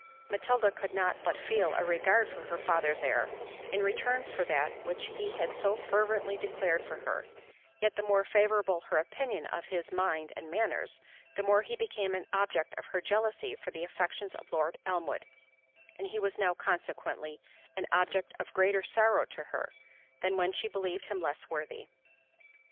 Matilda could not but feel a regard for her father's heir, in return for that which he had so fervently declared for her; yet the more favourable her opinion of his mind and manners, the more he became an object of her jealousy for the affections of Lord Elmwood, and he was now consequently, an object of greater sorrow to her, than when she believed him less worthy.